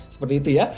seperti itu ya